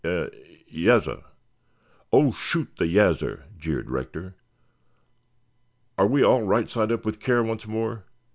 "Ya yassir." "Oh, shoot the 'yassir,'" jeered Rector. "Are we all right side up with care once more?"